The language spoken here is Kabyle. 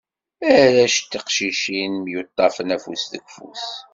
Arrac tiqcicin, myuṭṭafen afus deg ufus.